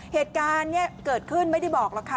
เหตุการณ์นี้เกิดขึ้นไม่ได้บอกหรอกค่ะ